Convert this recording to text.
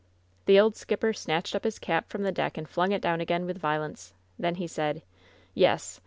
The old skipper snatched up his cap from the deck and flung it down again with violence. Then he said: "Yes!